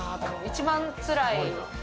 一番つらい。